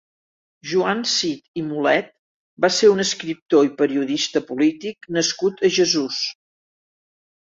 Joan Cid i Mulet va ser un escriptor i periodista polític nascut a Jesús.